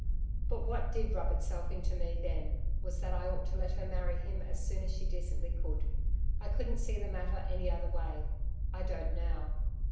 But what did rub itself into me then was that I ought to let her marry him as soon as she decently could. I couldn't see the matter any other way I don't now.